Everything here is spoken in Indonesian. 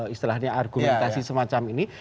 istilahnya argumentasi semacam ini